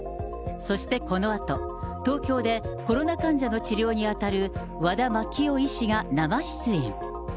そしてこのあと、東京でコロナ患者の治療に当たる和田眞紀夫医師が生出演。